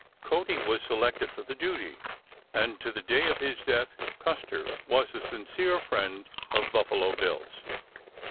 Cody was selected for the duty and to the day of his death Custer was a sincere friend of Buffalo Bill's.